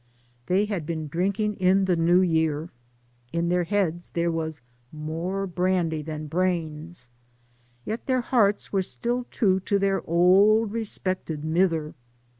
They had been drinking in the new year — ^in their heads there was " mair brandy than brains," yet their hearts were still true to their '* auld re spected mither."